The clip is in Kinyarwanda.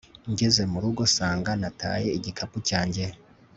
Ngeze mu rugo nsanga nataye igikapu cyanjye